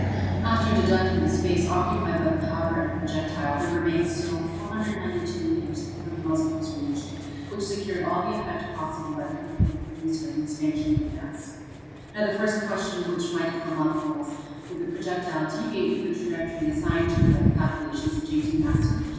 After deducting the space occupied by the powder and projectile there remained still 492 metres before the muzzle was reached, which secured all the effect possible by the recoil produced by the expansion of the gas. Now, the first question which might come up was, would the projectile deviate from the trajectory assigned to it by the calculations of J.T. Maston?